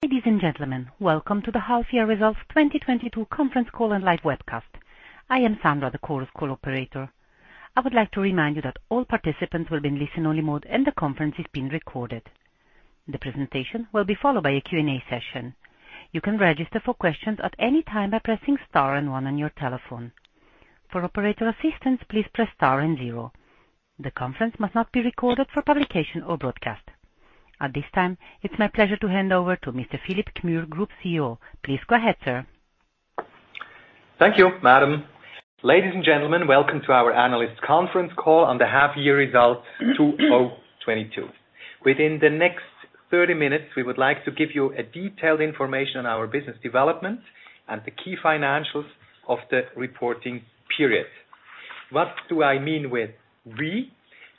Ladies and gentlemen, welcome to the Half-Year Results 2022 Conference Call and Live Webcast. I am Sandra, the Chorus Call operator. I would like to remind you that all participants will be in listen-only mode and the conference is being recorded. The presentation will be followed by a Q&A session. You can register for questions at any time by pressing star and one on your telephone. For operator assistance, please press star and zero. The conference must not be recorded for publication or broadcast. At this time, it's my pleasure to hand over to Mr. Philipp Gmür, Group CEO. Please go ahead, sir. Thank you, madam. Ladies and gentlemen, welcome to our analyst conference call on the half-year results 2022. Within the next 30 minutes, we would like to give you a detailed information on our business development and the key financials of the reporting period. What do I mean with we?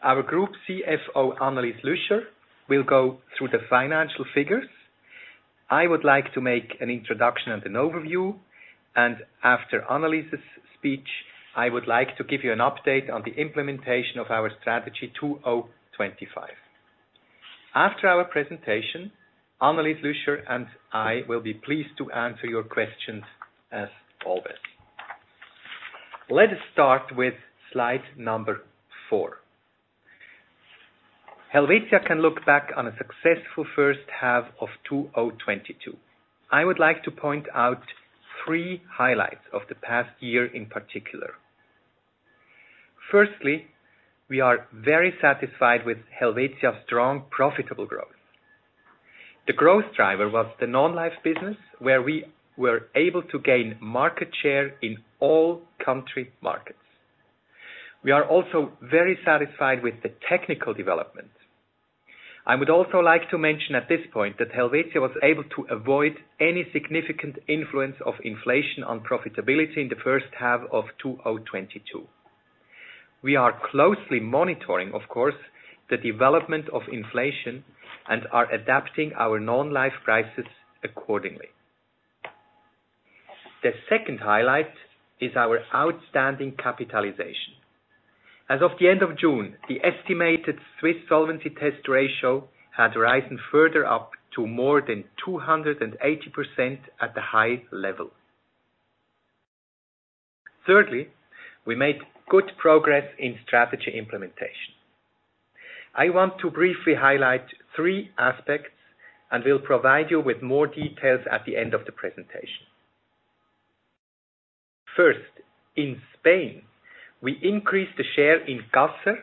Our Group CFO, Annelis Lüscher, will go through the financial figures. I would like to make an introduction and an overview, and after Annelis's speech, I would like to give you an update on the implementation of our strategy 2025. After our presentation, Annelis Lüscher and I will be pleased to answer your questions as always. Let us start with slide number four. Helvetia can look back on a successful first half of 2022. I would like to point out three highlights of the past year in particular. Firstly, we are very satisfied with Helvetia's strong, profitable growth. The growth driver was the non-life business, where we were able to gain market share in all country markets. We are also very satisfied with the technical development. I would also like to mention at this point that Helvetia was able to avoid any significant influence of inflation on profitability in the first half of 2022. We are closely monitoring, of course, the development of inflation and are adapting our non-life prices accordingly. The second highlight is our outstanding capitalization. As of the end of June, the estimated Swiss Solvency Test ratio had risen further up to more than 280% at the high level. Thirdly, we made good progress in strategy implementation. I want to briefly highlight three aspects, and will provide you with more details at the end of the presentation. First, in Spain, we increased the share in Caser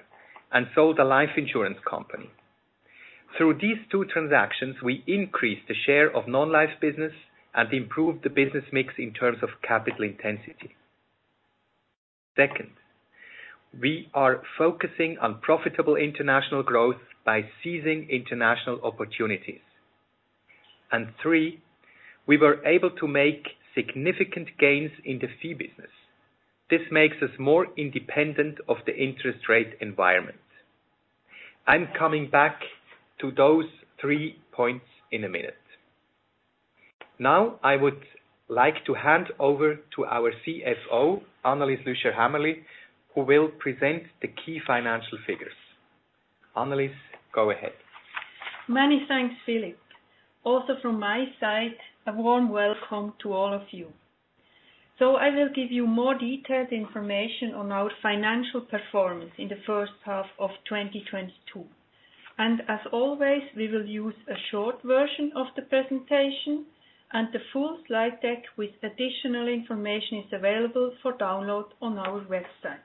and sold a life insurance company. Through these two transactions, we increased the share of non-life business and improved the business mix in terms of capital intensity. Second, we are focusing on profitable international growth by seizing international opportunities. Three, we were able to make significant gains in the fee business. This makes us more independent of the interest rate environment. I'm coming back to those three points in a minute. Now I would like to hand over to our CFO, Annelis Lüscher Hämmerli, who will present the key financial figures. Annelis, go ahead. Many thanks, Philipp. Also from my side, a warm welcome to all of you. I will give you more detailed information on our financial performance in the first half of 2022. As always, we will use a short version of the presentation and the full slide deck with additional information is available for download on our website.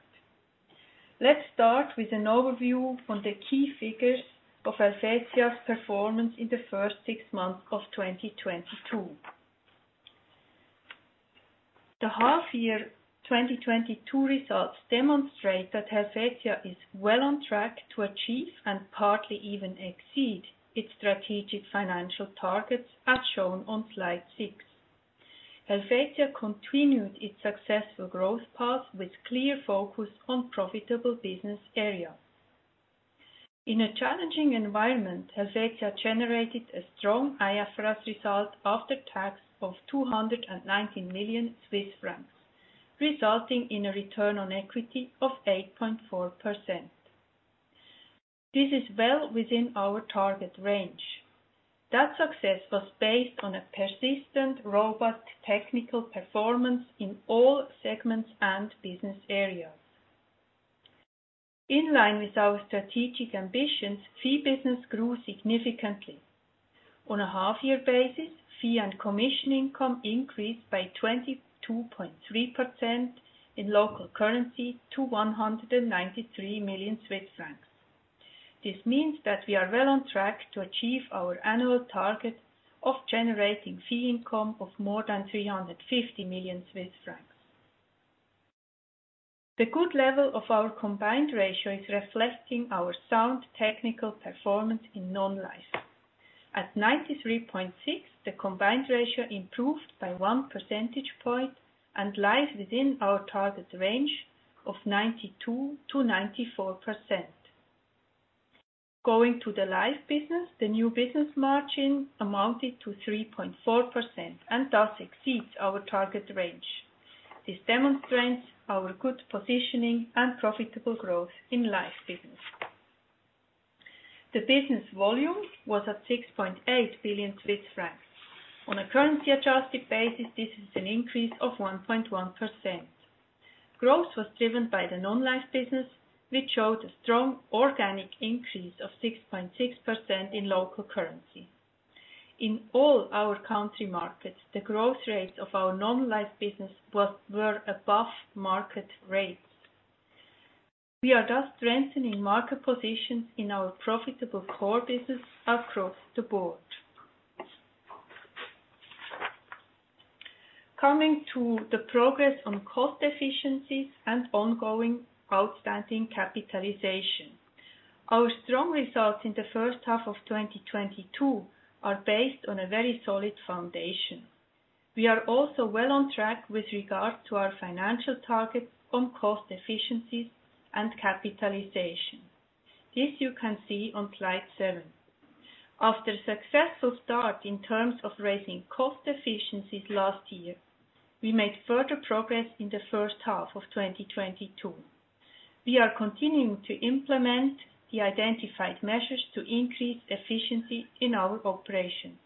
Let's start with an overview on the key figures of Helvetia's performance in the first six months of 2022. The half year 2022 results demonstrate that Helvetia is well on track to achieve and partly even exceed its strategic financial targets as shown on slide six. Helvetia continued its successful growth path with clear focus on profitable business areas. In a challenging environment, Helvetia generated a strong IFRS result after tax of 219 million Swiss francs, resulting in a return on equity of 8.4%. This is well within our target range. That success was based on a persistent, robust technical performance in all segments and business areas. In line with our strategic ambitions, fee business grew significantly. On a half year basis, fee and commission income increased by 22.3% in local currency to 193 million Swiss francs. This means that we are well on track to achieve our annual target of generating fee income of more than 350 million Swiss francs. The good level of our combined ratio is reflecting our sound technical performance in non-life. At 93.6, the combined ratio improved by 1 percentage point and lies within our target range of 92%-94%. Going to the life business, the new business margin amounted to 3.4% and thus exceeds our target range. This demonstrates our good positioning and profitable growth in life business. The business volume was at 6.8 billion Swiss francs. On a currency-adjusted basis, this is an increase of 1.1%. Growth was driven by the non-life business, which showed a strong organic increase of 6.6% in local currency. In all our country markets, the growth rates of our non-life business were above market rates. We are thus strengthening market positions in our profitable core business across the board. Coming to the progress on cost efficiencies and ongoing outstanding capitalization. Our strong results in the first half of 2022 are based on a very solid foundation. We are also well on track with regard to our financial targets on cost efficiencies and capitalization. This you can see on slide seven. After successful start in terms of raising cost efficiencies last year, we made further progress in the first half of 2022. We are continuing to implement the identified measures to increase efficiency in our operations.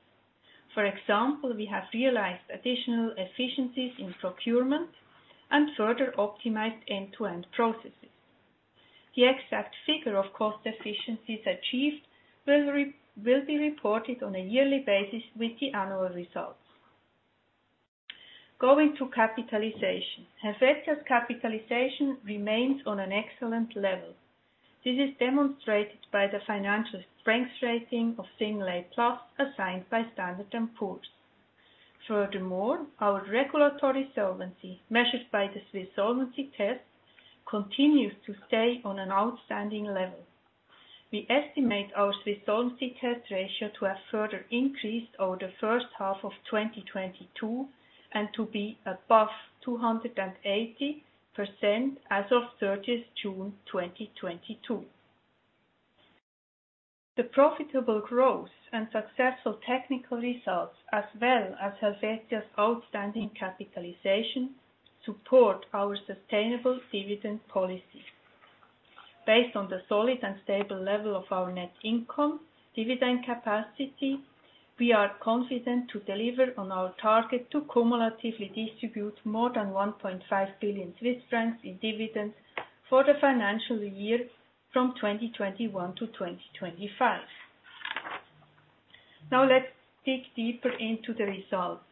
For example, we have realized additional efficiencies in procurement and further optimized end-to-end processes. The exact figure of cost efficiencies achieved will be reported on a yearly basis with the annual results. Going to capitalization. Helvetia's capitalization remains on an excellent level. This is demonstrated by the financial strength rating of A+ assigned by Standard & Poor's. Furthermore, our regulatory solvency, measured by the Swiss Solvency Test, continues to stay on an outstanding level. We estimate our Swiss Solvency Test ratio to have further increased over the first half of 2022 and to be above 280% as of 30th June 2022. The profitable growth and successful technical results, as well as Helvetia's outstanding capitalization, support our sustainable dividend policy. Based on the solid and stable level of our net income dividend capacity, we are confident to deliver on our target to cumulatively distribute more than 1.5 billion Swiss francs in dividends for the financial year from 2021 to 2025. Now let's dig deeper into the results.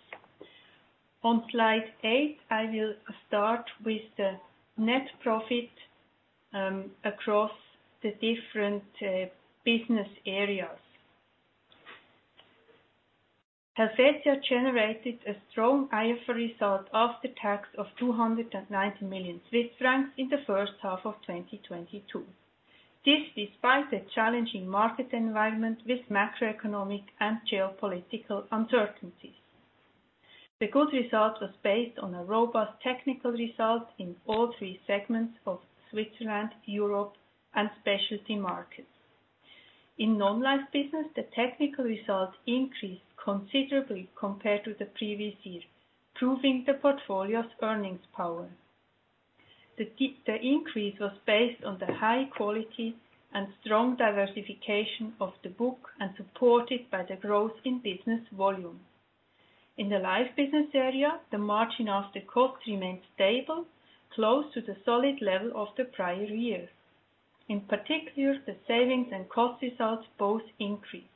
On slide eight, I will start with the net profit across the different business areas. Helvetia generated a strong IFRS result after tax of 290 million Swiss francs in the first half of 2022. This despite a challenging market environment with macroeconomic and geopolitical uncertainties. The good result was based on a robust technical result in all three segments of Switzerland, Europe, and specialty markets. In non-life business, the technical results increased considerably compared to the previous year, proving the portfolio's earnings power. The increase was based on the high quality and strong diversification of the book and supported by the growth in business volume. In the life business area, the margin after costs remained stable, close to the solid level of the prior year. In particular, the savings and cost results both increased.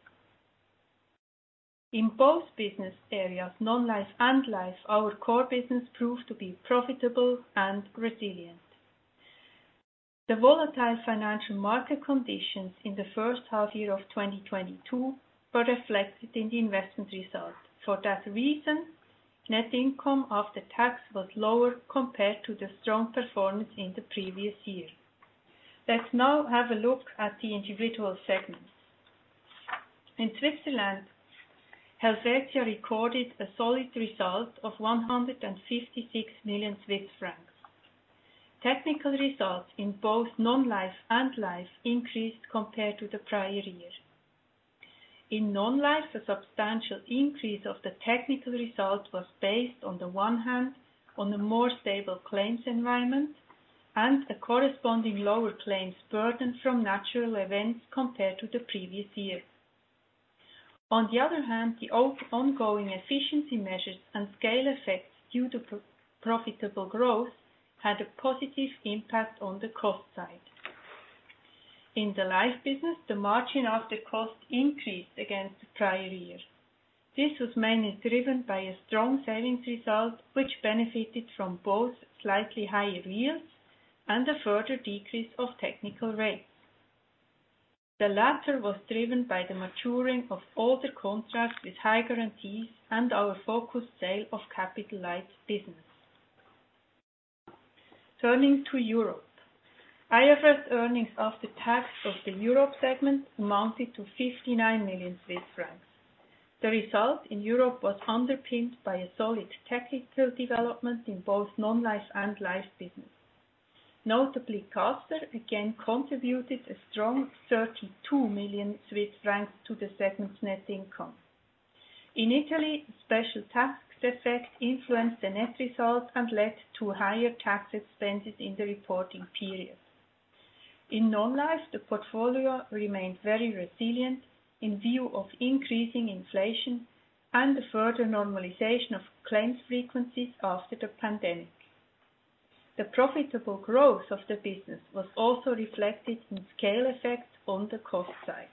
In both business areas, non-life and life, our core business proved to be profitable and resilient. The volatile financial market conditions in the first half year of 2022 were reflected in the investment results. For that reason, net income after tax was lower compared to the strong performance in the previous year. Let's now have a look at the individual segments. In Switzerland, Helvetia recorded a solid result of 156 million Swiss francs. Technical results in both non-life and life increased compared to the prior year. In non-life, a substantial increase of the technical result was based on the one hand on a more stable claims environment and a corresponding lower claims burden from natural events compared to the previous year. On the other hand, the ongoing efficiency measures and scale effects due to profitable growth had a positive impact on the cost side. In the life business, the margin after cost increased against the prior year. This was mainly driven by a strong savings result, which benefited from both slightly higher yields and a further decrease of technical rates. The latter was driven by the maturing of older contracts with high guarantees and our focused sale of capital life business. Turning to Europe. IFRS earnings after tax of the Europe segment amounted to 59 million Swiss francs. The result in Europe was underpinned by a solid technical development in both non-life and life business. Notably, Caser again contributed a strong 32 million Swiss francs to the segment's net income. In Italy, special tax effect influenced the net result and led to higher tax expenses in the reporting period. In non-life, the portfolio remained very resilient in view of increasing inflation and the further normalization of claims frequencies after the pandemic. The profitable growth of the business was also reflected in scale effects on the cost side.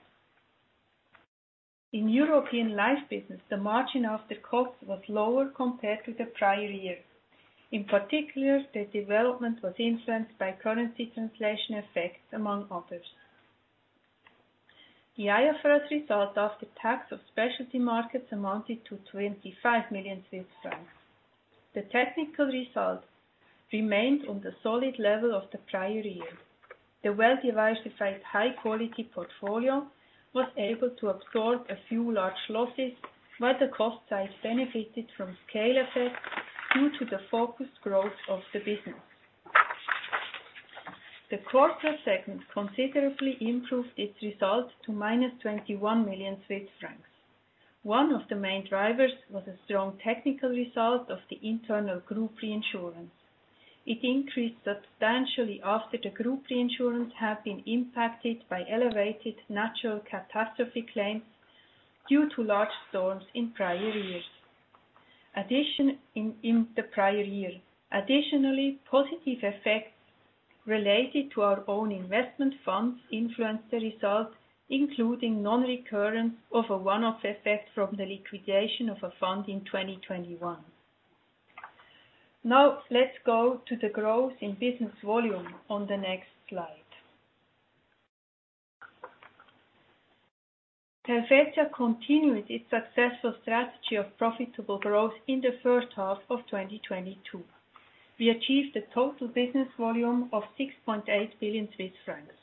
In European life business, the margin after costs was lower compared to the prior year. In particular, the development was influenced by currency translation effects, among others. The IFRS result after tax of specialty markets amounted to 25 million Swiss francs. The technical result remained on the solid level of the prior year. The well-diversified high-quality portfolio was able to absorb a few large losses while the cost side benefited from scale effects due to the focused growth of the business. The corporate segment considerably improved its results to -21 million Swiss francs. One of the main drivers was a strong technical result of the internal group reinsurance. It increased substantially after the group reinsurance had been impacted by elevated natural catastrophe claims due to large storms in prior years. In the prior year. Additionally, positive effects related to our own investment funds influenced the results, including non-recurrence of a one-off effect from the liquidation of a fund in 2021. Now let's go to the growth in business volume on the next slide. Helvetia continued its successful strategy of profitable growth in the first half of 2022. We achieved a total business volume of 6.8 billion Swiss francs.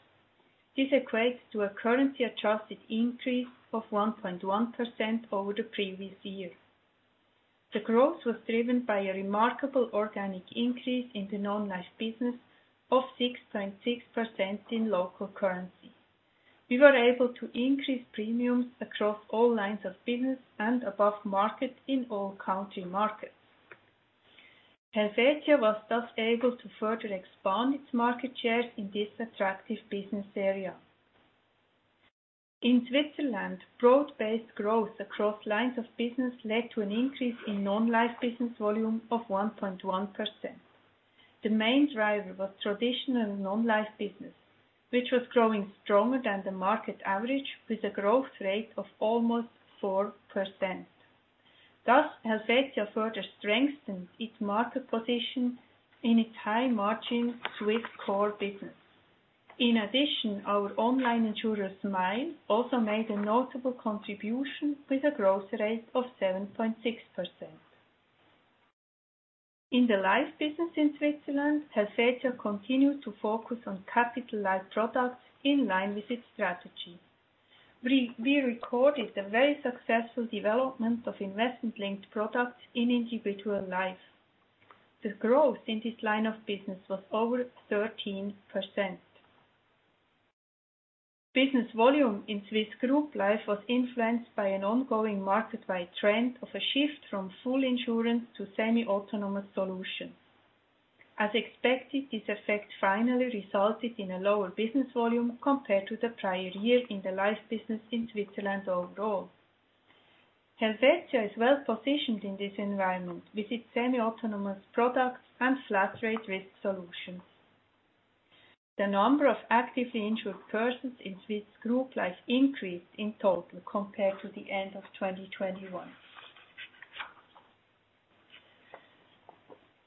This equates to a currency-adjusted increase of 1.1% over the previous year. The growth was driven by a remarkable organic increase in the non-life business of 6.6% in local currency. We were able to increase premiums across all lines of business and above market in all country markets. Helvetia was thus able to further expand its market share in this attractive business area. In Switzerland, broad-based growth across lines of business led to an increase in non-life business volume of 1.1%. The main driver was traditional non-life business, which was growing stronger than the market average with a growth rate of almost 4%. Thus, Helvetia further strengthened its market position in its high margin Swiss core business. In addition, our online insurer Smile also made a notable contribution with a growth rate of 7.6%. In the life business in Switzerland, Helvetia continued to focus on capital life products in line with its strategy. We recorded a very successful development of investment-linked products in individual life. The growth in this line of business was over 13%. Business volume in Swiss group life was influenced by an ongoing market-wide trend of a shift from full insurance to semi-autonomous solutions. As expected, this effect finally resulted in a lower business volume compared to the prior year in the life business in Switzerland overall. Helvetia is well-positioned in this environment with its semi-autonomous products and flat-rate risk solutions. The number of actively insured persons in Swiss group life increased in total compared to the end of 2021.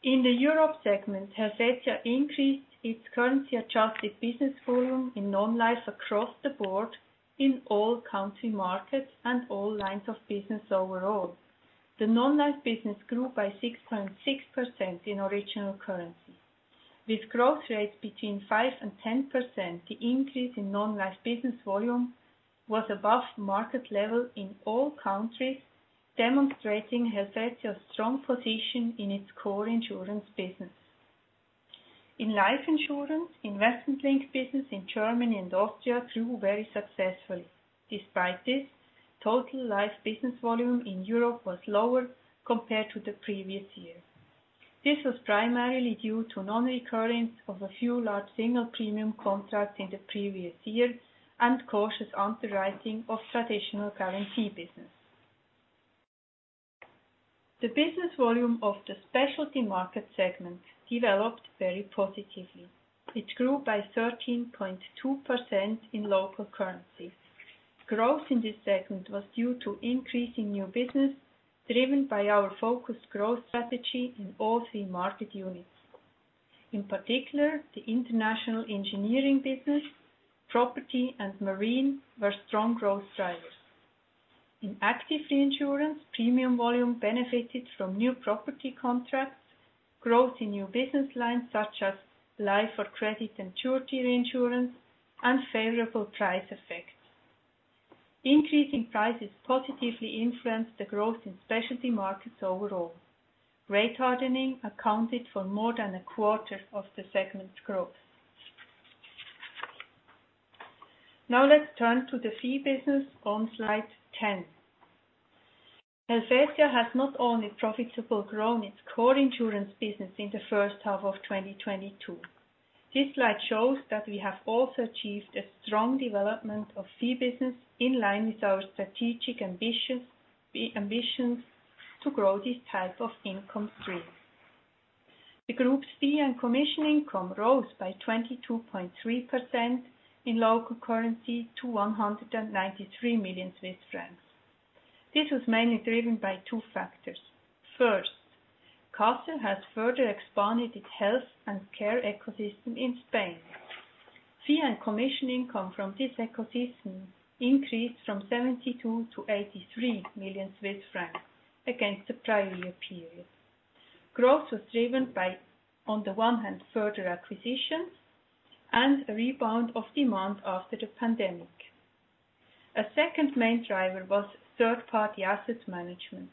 In the Europe segment, Helvetia increased its currency-adjusted business volume in non-life across the board in all country markets and all lines of business overall. The non-life business grew by 6.6% in original currency. With growth rates between 5%-10%, the increase in non-life business volume was above market level in all countries, demonstrating Helvetia's strong position in its core insurance business. In life insurance, investment-linked business in Germany and Austria grew very successfully. Despite this, total life business volume in Europe was lower compared to the previous year. This was primarily due to non-recurrence of a few large single premium contracts in the previous year and cautious underwriting of traditional guarantee business. The business volume of the specialty market segment developed very positively. It grew by 13.2% in local currency. Growth in this segment was due to increasing new business driven by our focused growth strategy in all three market units. In particular, the international engineering business, property and marine were strong growth drivers. In active reinsurance, premium volume benefited from new property contracts, growth in new business lines such as life or credit and surety reinsurance and favorable price effects. Increasing prices positively influenced the growth in specialty markets overall. Rate hardening accounted for more than a quarter of the segment's growth. Now let's turn to the fee business on slide 10. Helvetia has not only profitably grown its core insurance business in the first half of 2022. This slide shows that we have also achieved a strong development of fee business in line with our strategic ambitions to grow this type of income stream. The group's fee and commission income rose by 22.3% in local currency to 193 million Swiss francs. This was mainly driven by two factors. First, Caser has further expanded its health and care ecosystem in Spain. Fee and commission income from this ecosystem increased from 72 million to 83 million Swiss francs against the prior year period. Growth was driven by, on the one hand, further acquisitions and a rebound of demand after the pandemic. A second main driver was third-party assets management.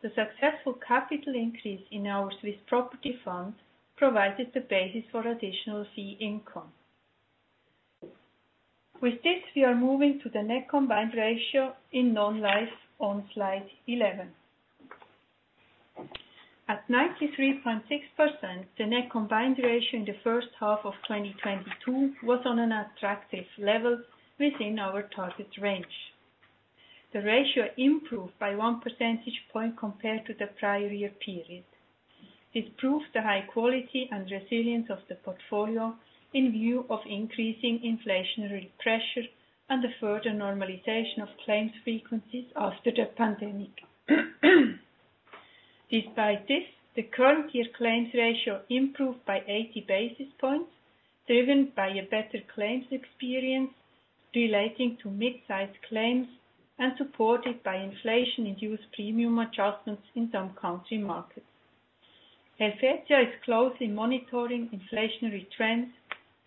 The successful capital increase in our Swiss property fund provided the basis for additional fee income. With this, we are moving to the net combined ratio in non-life on slide 11. At 93.6%, the net combined ratio in the first half of 2022 was on an attractive level within our target range. The ratio improved by 1 percentage point compared to the prior year period. This proved the high quality and resilience of the portfolio in view of increasing inflationary pressure and the further normalization of claims frequencies after the pandemic. Despite this, the current year claims ratio improved by 80 basis points, driven by a better claims experience relating to mid-sized claims and supported by inflation-induced premium adjustments in some country markets. Helvetia is closely monitoring inflationary trends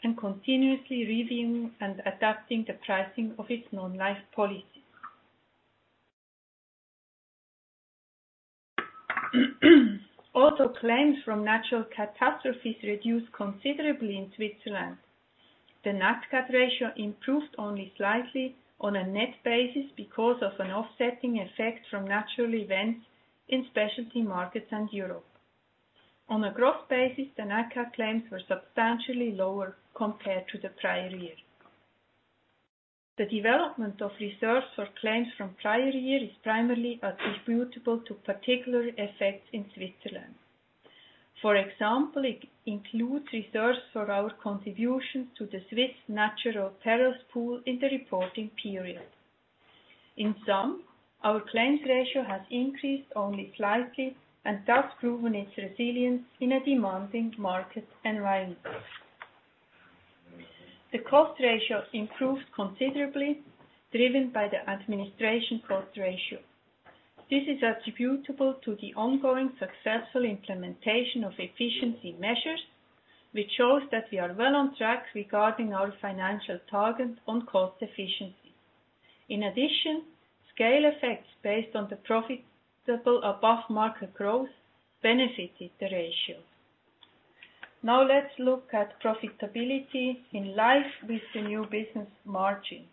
and continuously reviewing and adapting the pricing of its non-life policy. Also, claims from natural catastrophes reduced considerably in Switzerland. The Nat Cat ratio improved only slightly on a net basis because of an offsetting effect from natural events in specialty markets and Europe. On a gross basis, the Nat Cat claims were substantially lower compared to the prior year. The development of reserves for claims from prior year is primarily attributable to particular effects in Switzerland. For example, it includes reserves for our contribution to the Swiss natural perils pool in the reporting period. In sum, our claims ratio has increased only slightly and thus proven its resilience in a demanding market environment. The cost ratio improved considerably, driven by the administration cost ratio. This is attributable to the ongoing successful implementation of efficiency measures, which shows that we are well on track regarding our financial target on cost efficiency. In addition, scale effects based on the profitable above-market growth benefited the ratio. Now let's look at profitability in life with the new business margin.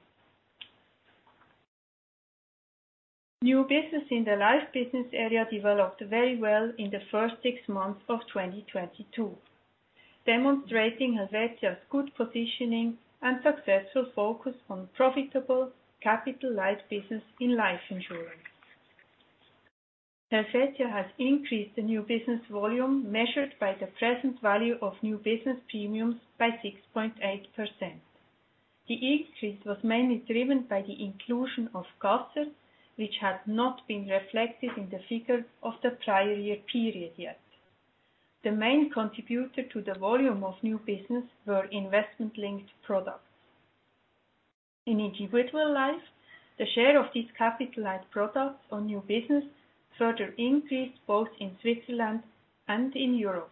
New business in the life business area developed very well in the first six months of 2022, demonstrating Helvetia's good positioning and successful focus on profitable capital-light life business in life insurance. Helvetia has increased the new business volume measured by the present value of new business premiums by 6.8%. The increase was mainly driven by the inclusion of Caser, which had not been reflected in the figure of the prior year period yet. The main contributor to the volume of new business were investment-linked products. In individual life, the share of these capitalized products on new business further increased both in Switzerland and in Europe.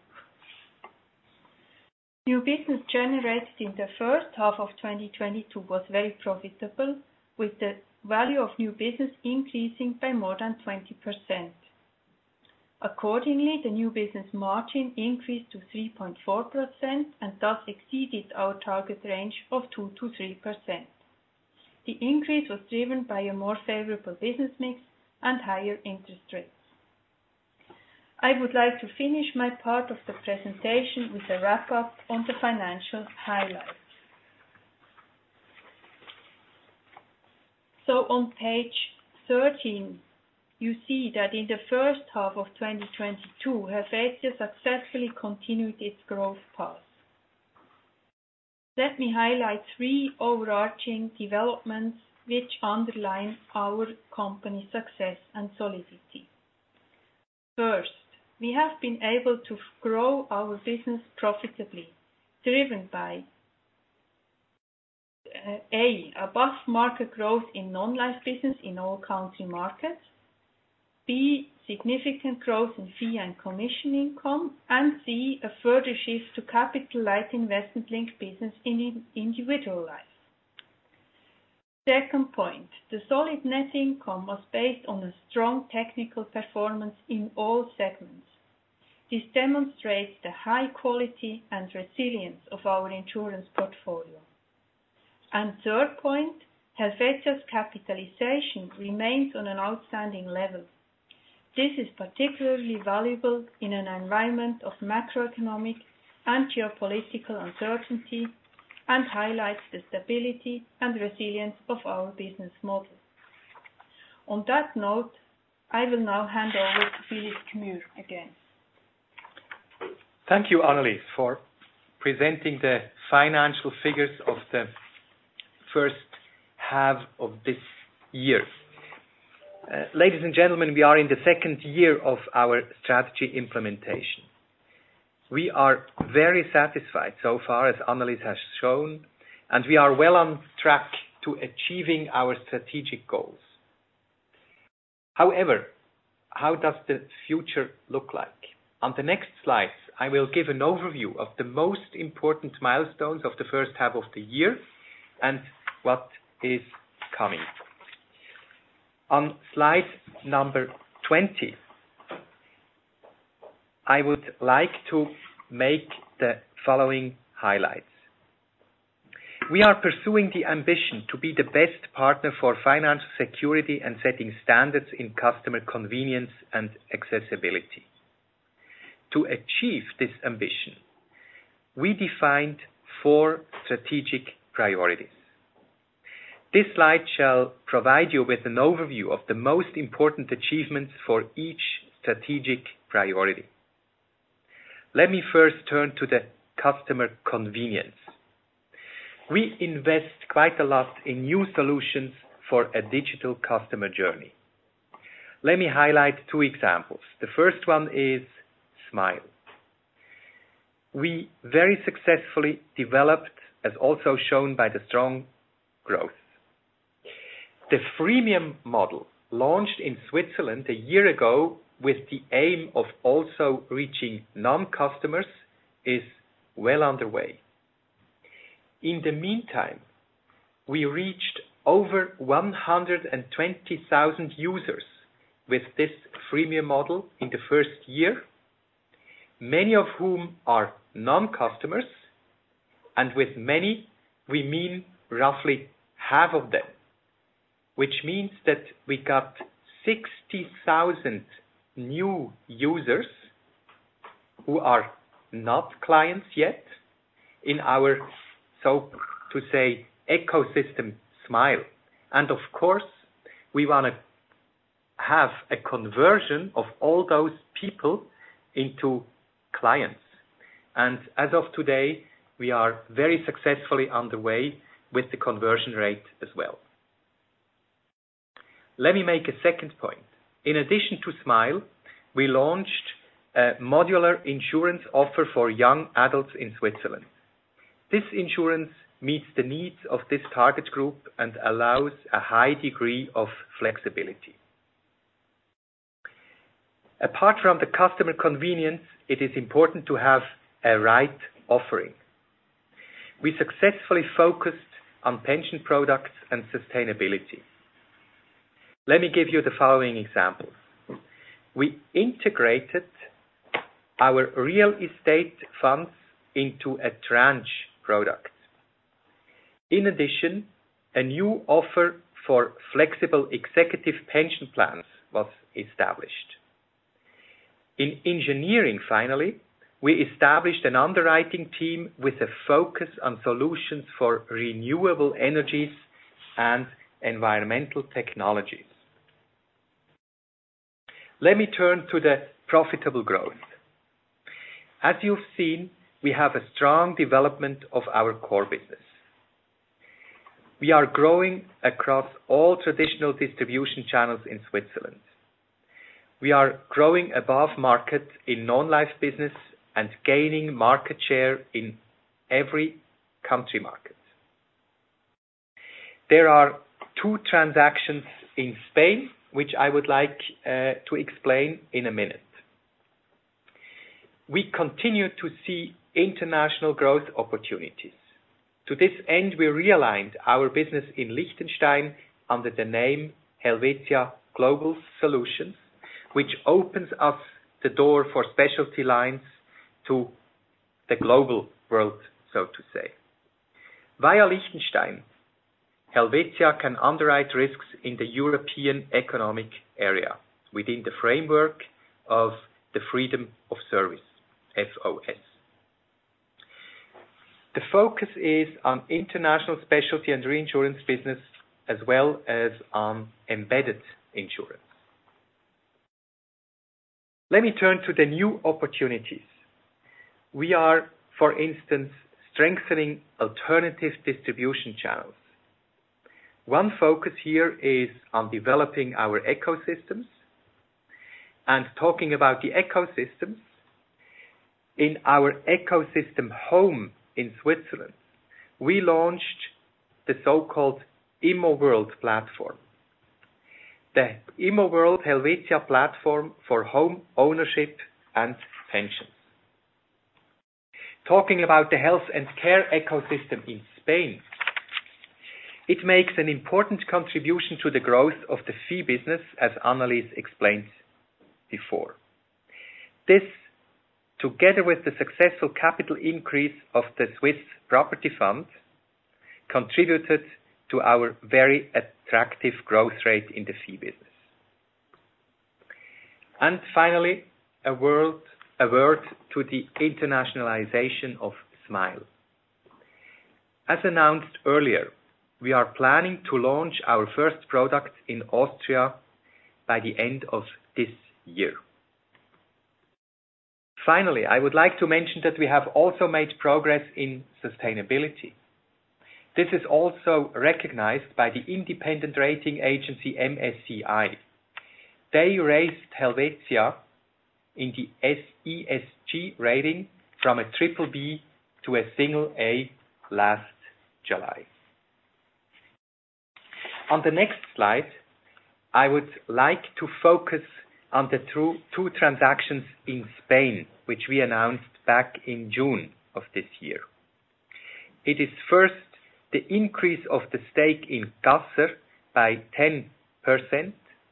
New business generated in the first half of 2022 was very profitable, with the value of new business increasing by more than 20%. Accordingly, the new business margin increased to 3.4% and thus exceeded our target range of 2%-3%. The increase was driven by a more favorable business mix and higher interest rates. I would like to finish my part of the presentation with a wrap-up on the financial highlights. On page 13, you see that in the first half of 2022, Helvetia successfully continued its growth path. Let me highlight three overarching developments which underline our company success and solidity. First, we have been able to grow our business profitably, driven by A, above market growth in non-life business in all country markets. B, significant growth in fee and commission income. C, a further shift to capital-like investment-linked business in individual life. Second point, the solid net income was based on a strong technical performance in all segments. This demonstrates the high quality and resilience of our insurance portfolio. Third point, Helvetia's capitalization remains on an outstanding level. This is particularly valuable in an environment of macroeconomic and geopolitical uncertainty, and highlights the stability and resilience of our business model. On that note, I will now hand over to Philipp Gmür again. Thank you, Annelis, for presenting the financial figures of the first half of this year. Ladies and gentlemen, we are in the second year of our strategy implementation. We are very satisfied so far, as Annelis has shown, and we are well on track to achieving our strategic goals. However, how does the future look like? On the next slide, I will give an overview of the most important milestones of the first half of the year and what is coming. On slide number 20, I would like to make the following highlights. We are pursuing the ambition to be the best partner for financial security and setting standards in customer convenience and accessibility. To achieve this ambition, we defined four strategic priorities. This slide shall provide you with an overview of the most important achievements for each strategic priority. Let me first turn to the customer convenience. We invest quite a lot in new solutions for a digital customer journey. Let me highlight two examples. The first one is Smile. We very successfully developed, as also shown by the strong growth. The freemium model, launched in Switzerland a year ago with the aim of also reaching non-customers, is well underway. In the meantime, we reached over 120,000 users with this freemium model in the first year, many of whom are non-customers. With many, we mean roughly half of them, which means that we got 60,000 new users who are not clients yet in our, so to say, ecosystem Smile. Of course, we wanna have a conversion of all those people into clients. As of today, we are very successfully underway with the conversion rate as well. Let me make a second point. In addition to Smile, we launched a modular insurance offer for young adults in Switzerland. This insurance meets the needs of this target group and allows a high degree of flexibility. Apart from the customer convenience, it is important to have a right offering. We successfully focused on pension products and sustainability. Let me give you the following example. We integrated our real estate funds into a tranche product. In addition, a new offer for flexible executive pension plans was established. In engineering, finally, we established an underwriting team with a focus on solutions for renewable energies and environmental technologies. Let me turn to the profitable growth. As you've seen, we have a strong development of our core business. We are growing across all traditional distribution channels in Switzerland. We are growing above market in non-life business and gaining market share in every country market. There are two transactions in Spain, which I would like to explain in a minute. We continue to see international growth opportunities. To this end, we realigned our business in Liechtenstein under the name Helvetia Global Solutions, which opens up the door for specialty lines to the global world, so to say. Via Liechtenstein, Helvetia can underwrite risks in the European economic area within the framework of the freedom of service, FOS. The focus is on international specialty and reinsurance business, as well as on embedded insurance. Let me turn to the new opportunities. We are, for instance, strengthening alternative distribution channels. One focus here is on developing our ecosystems. Talking about the ecosystems, in our ecosystem home in Switzerland, we launched the so-called ImmoWorld platform. The ImmoWorld Helvetia platform for home ownership and pensions. Talking about the health and care ecosystem in Spain, it makes an important contribution to the growth of the fee business, as Annelis explained before. This, together with the successful capital increase of the Swiss property fund, contributed to our very attractive growth rate in the fee business. Finally, a word to the internationalization of Smile. As announced earlier, we are planning to launch our first product in Austria by the end of this year. Finally, I would like to mention that we have also made progress in sustainability. This is also recognized by the independent rating agency MSCI. They raised Helvetia in the ESG rating from a triple B to a single A last July. On the next slide, I would like to focus on the two transactions in Spain, which we announced back in June of this year. It is first the increase of the stake in Caser by 10%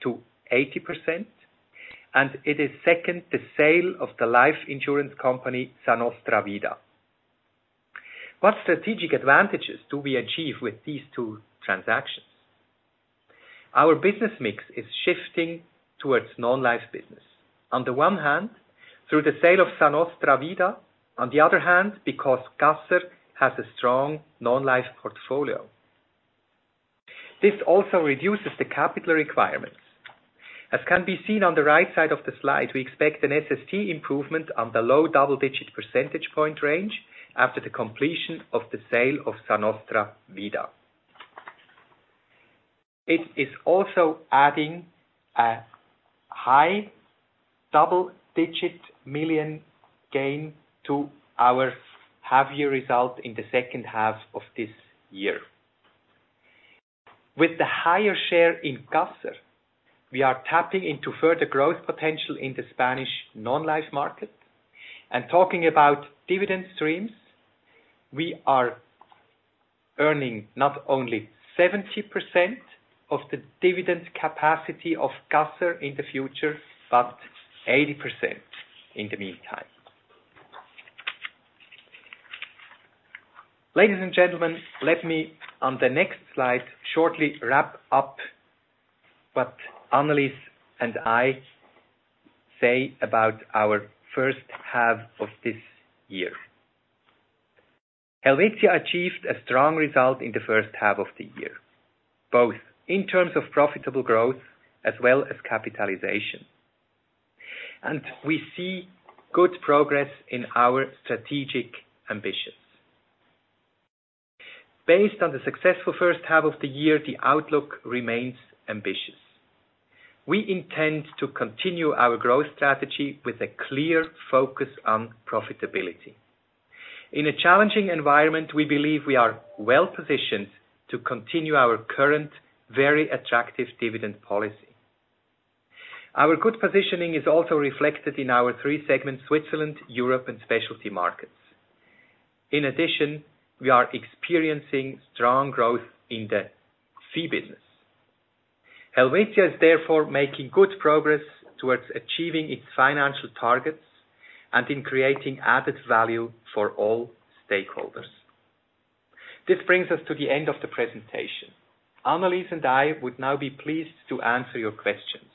to 80%, and it is second the sale of the life insurance company, Sa Nostra Vida. What strategic advantages do we achieve with these two transactions? Our business mix is shifting towards non-life business. On the one hand, through the sale of Sa Nostra Vida, on the other hand, because Caser has a strong non-life portfolio. This also reduces the capital requirements. As can be seen on the right side of the slide, we expect an SST improvement on the low double-digit percentage point range after the completion of the sale of Sa Nostra Vida. It is also adding a high double-digit million gain to our half-year result in the second half of this year. With the higher share in Caser, we are tapping into further growth potential in the Spanish non-life market. Talking about dividend streams, we are earning not only 70% of the dividend capacity of Caser in the future, but 80% in the meantime. Ladies and gentlemen, let me on the next slide shortly wrap up what Annelis and I say about our first half of this year. Helvetia achieved a strong result in the first half of the year, both in terms of profitable growth as well as capitalization. We see good progress in our strategic ambitions. Based on the successful first half of the year, the outlook remains ambitious. We intend to continue our growth strategy with a clear focus on profitability. In a challenging environment, we believe we are well-positioned to continue our current very attractive dividend policy. Our good positioning is also reflected in our three segments, Switzerland, Europe, and specialty markets. In addition, we are experiencing strong growth in the fee business. Helvetia is therefore making good progress towards achieving its financial targets and in creating added value for all stakeholders. This brings us to the end of the presentation. Annelis and I would now be pleased to answer your questions.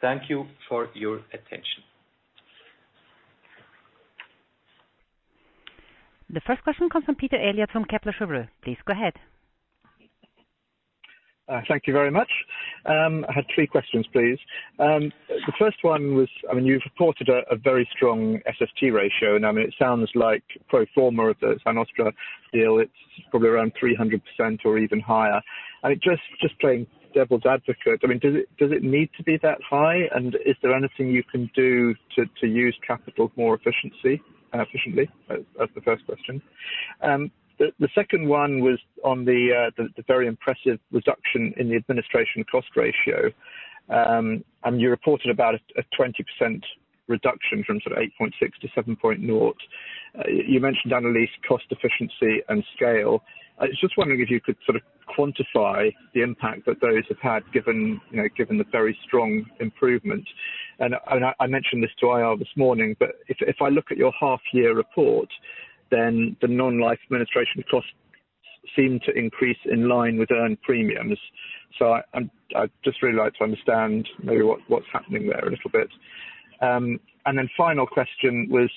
Thank you for your attention. The first question comes from Peter Eliot from Kepler Cheuvreux. Please go ahead. Thank you very much. I had three questions, please. The first one was, I mean, you've reported a very strong SST ratio, and I mean, it sounds like pro forma of the Sa Nostra Vida deal, it's probably around 300% or even higher. I mean, just playing devil's advocate, I mean, does it need to be that high? And is there anything you can do to use capital more efficiently? That's the first question. The second one was on the very impressive reduction in the administration cost ratio. You reported about a 20% reduction from sort of 8.6% to 7.0%. You mentioned, Annelis, cost efficiency and scale. I was just wondering if you could sort of quantify the impact that those have had given the very strong improvement. I mentioned this to IR this morning, but if I look at your half year report, then the non-life administration costs seem to increase in line with earned premiums. I'd just really like to understand maybe what's happening there a little bit. The final question was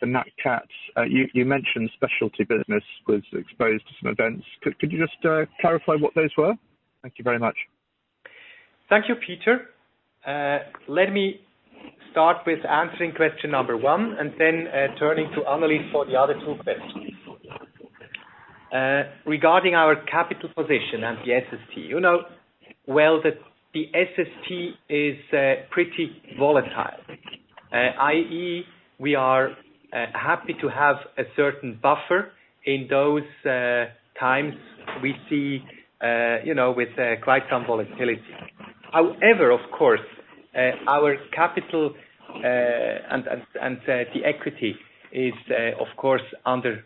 the Nat Cat. You mentioned specialty business was exposed to some events. Could you just clarify what those were? Thank you very much. Thank you, Peter. Let me start with answering question number one and then turning to Annelis for the other two questions. Regarding our capital position and the SST. You know well that the SST is pretty volatile. i.e., we are happy to have a certain buffer in those times we see, you know, with quite some volatility. However, of course, our capital and the equity is of course under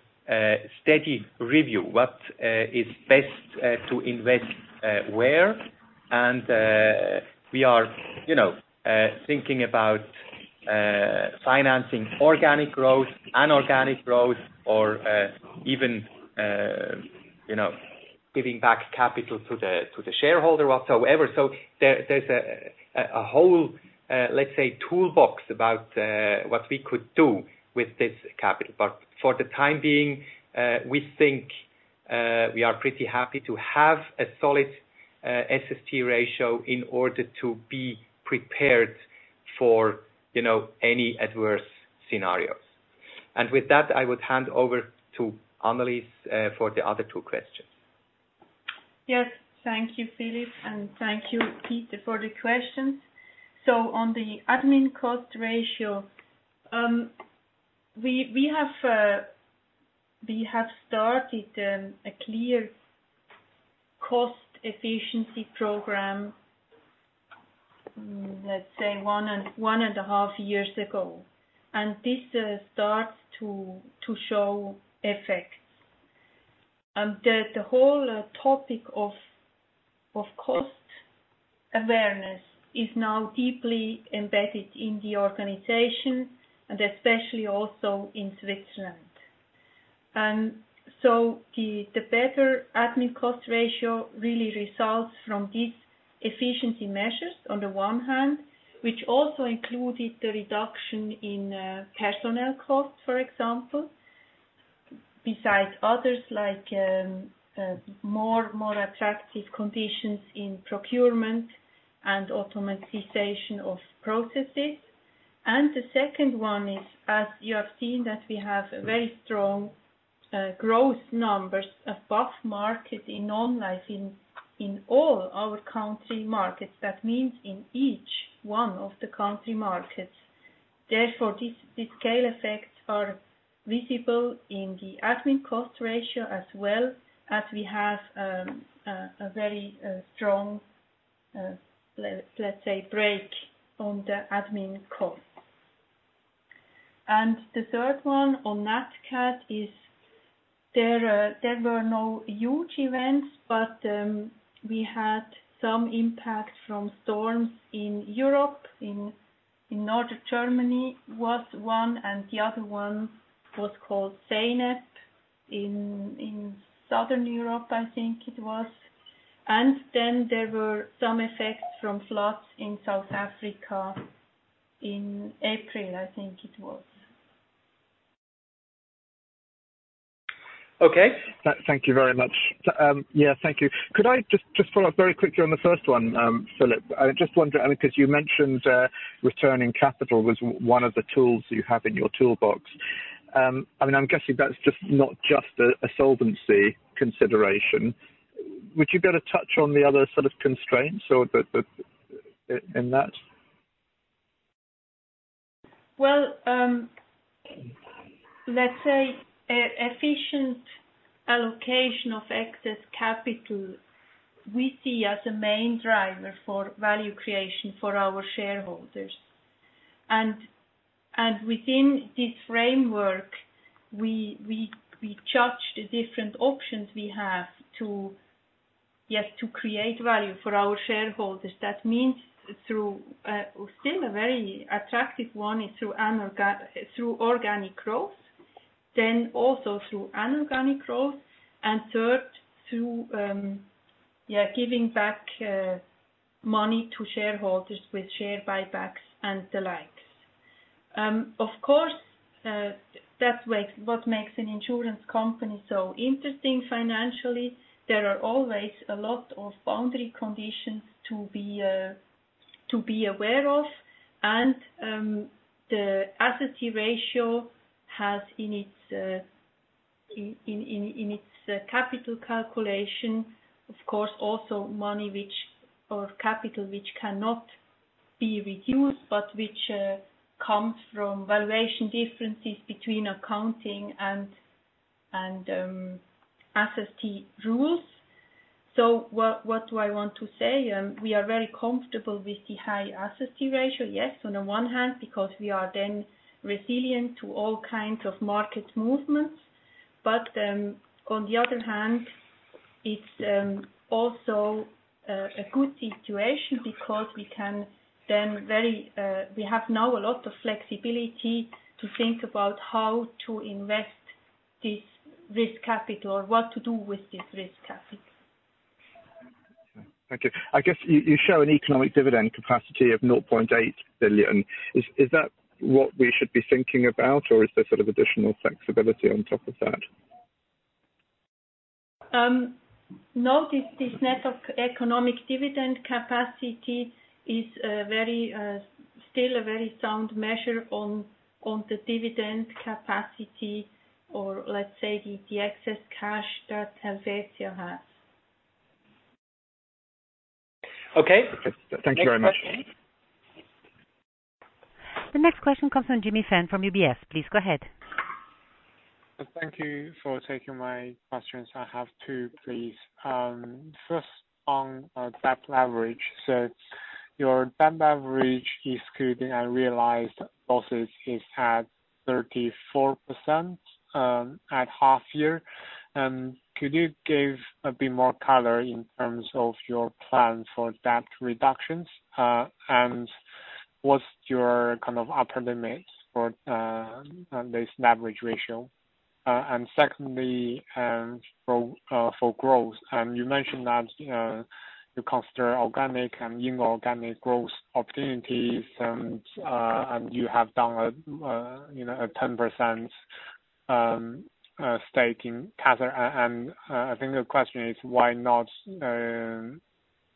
steady review. What is best to invest where. We are, you know, thinking about financing organic growth, inorganic growth or even, you know, giving back capital to the shareholder, whatsoever. There, there's a whole, let's say, toolbox about what we could do with this capital. For the time being, we think we are pretty happy to have a solid SST ratio in order to be prepared for, you know, any adverse scenarios. With that, I would hand over to Annelis for the other two questions. Yes. Thank you, Philipp, and thank you, Peter, for the questions. On the admin cost ratio, we have started a clear cost efficiency program, let's say, one and a half years ago. This starts to show effects. The whole topic of cost awareness is now deeply embedded in the organization, and especially also in Switzerland. The better admin cost ratio really results from these efficiency measures on the one hand, which also included the reduction in personnel costs, for example. Besides others, like more attractive conditions in procurement and automation of processes. The second one is, as you have seen, that we have very strong growth numbers above market in online in all our country markets. That means in each one of the country markets. Therefore, these scale effects are visible in the admin cost ratio as well as we have a very strong, let's say, brake on the admin costs. The third one on Nat Cat. There were no huge events, but we had some impact from storms in Europe. In northern Germany was one, and the other one was called Zeynep in Southern Europe, I think it was. Then there were some effects from floods in South Africa in April, I think it was. Okay. Thank you very much. Yeah, thank you. Could I just follow up very quickly on the first one, Philipp? I just wonder, I mean, because you mentioned returning capital was one of the tools you have in your toolbox. I mean, I'm guessing that's just not just a solvency consideration. Would you be able to touch on the other sort of constraints or the in that? Well, let's say an efficient allocation of excess capital we see as a main driver for value creation for our shareholders. Within this framework, we judge the different options we have to create value for our shareholders. That means through still a very attractive one is through organic growth, then also through inorganic growth and third, through giving back money to shareholders with share buybacks and the likes. Of course, what makes an insurance company so interesting financially, there are always a lot of boundary conditions to be aware of. The SST ratio has in its capital calculation, of course, also capital which cannot be reduced, but which comes from valuation differences between accounting and SST rules. What do I want to say? We are very comfortable with the high SST ratio, yes, on the one hand, because we are then resilient to all kinds of market movements. On the other hand, it's also a good situation because we have now a lot of flexibility to think about how to invest this risk capital or what to do with this risk capital. Thank you. I guess you show an economic dividend capacity of 0.8 billion. Is that what we should be thinking about, or is there sort of additional flexibility on top of that? No, this net of economic dividend capacity is still a very sound measure of the dividend capacity or, let's say, the excess cash that Helvetia has. Okay. Thank you very much. The next question comes from Jimmy Fan from UBS. Please go ahead. Thank you for taking my questions. I have two, please. First on debt leverage. Your debt leverage excluding unrealized losses is at 34%, at half year. Could you give a bit more color in terms of your plans for debt reductions? What's your kind of upper limits for this leverage ratio? Secondly, for growth. You mentioned that you consider organic and inorganic growth opportunities, and you have done, you know, a 10% stake in Caser. I think the question is why not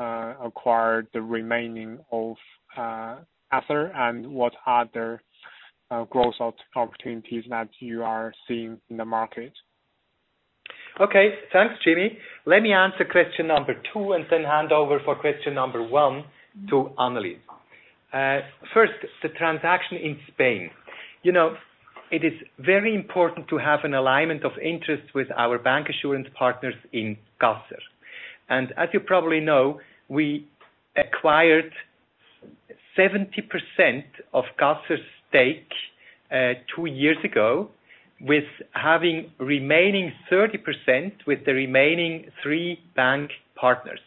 acquire the remaining of Caser, and what other growth opportunities that you are seeing in the market? Okay. Thanks, Jimmy. Let me answer question number two and then hand over for question number one to Annelis. First, the transaction in Spain. You know, it is very important to have an alignment of interests with our bancassurance partners in Caser. As you probably know, we acquired 70% of Caser stake, two years ago with having remaining 30% with the remaining three bank partners.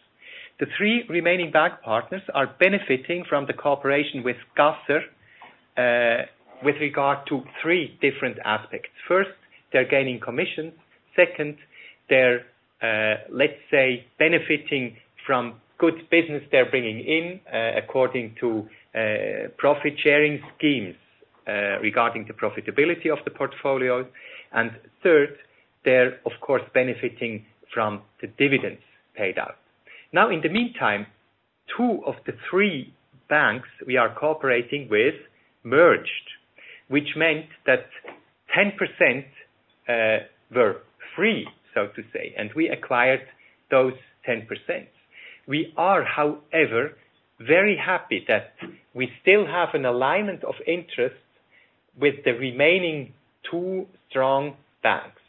The three remaining bank partners are benefiting from the cooperation with Caser, with regard to three different aspects. First, they're gaining commission. Second, they're, let's say, benefiting from good business they're bringing in, according to profit-sharing schemes, regarding the profitability of the portfolios. Third, they're of course benefiting from the dividends paid out. Now, in the meantime, two of the three banks we are cooperating with merged, which meant that 10% were free, so to say, and we acquired those 10%. We are, however, very happy that we still have an alignment of interests with the remaining two strong banks.